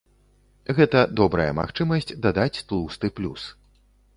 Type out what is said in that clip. Гэта добрая магчымасць дадаць тлусты плюс.